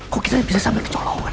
kok kita bisa sampai ke colongan